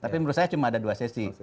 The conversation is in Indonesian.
tapi menurut saya cuma ada dua sesi